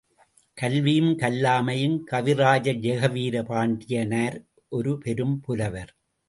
கல்வியும் கல்லாமையும் கவிராஜர் ஜெகவீர பாண்டியனார் ஒரு பெரும் புலவர்.